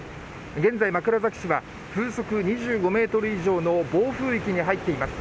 現在、枕崎市は風速２５メートル以上の暴風域に入っています。